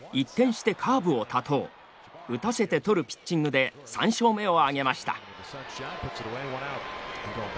打たせて取るピッチングで３勝目を挙げました。